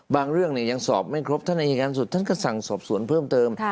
เรื่องยังสอบไม่ครบท่านอายการสุดท่านก็สั่งสอบสวนเพิ่มเติม